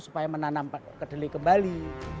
supaya menanam kedelai kembali